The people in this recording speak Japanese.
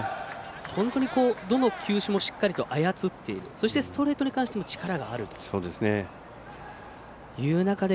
本当にどの球種もしっかりと操っているそして、ストレートに関しても力があるという中で